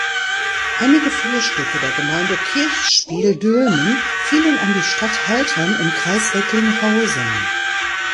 Einige Flurstücke der Gemeinde Kirchspiel Dülmen fielen an die Stadt Haltern im Kreis Recklinghausen.